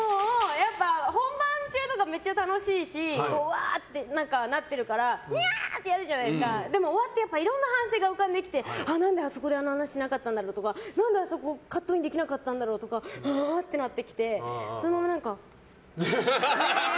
本番中とかめっちゃ楽しいしうわー！ってなってるからニャー！ってやるけどいろんな反省が出てきて何であそこであの話しなかったんだろうとか何であそこはカットインできなかったんだろうとかうわーってなってきてそれも何か。